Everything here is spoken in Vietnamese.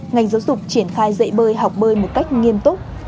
ngành giáo dục triển khai dạy bơi học bơi một cách nghiêm túc